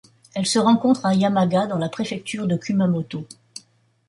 Elle se rencontre à Yamaga dans la préfecture de Kumamoto.